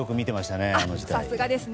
さすがですね。